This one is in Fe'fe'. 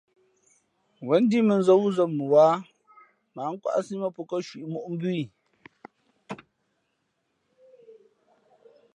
Wěn ndíʼ mᾱnzᾱ wúzᾱ mα wáha mα ǎ nkwáʼsí mά pó kάcwiʼ moʼ mbú í.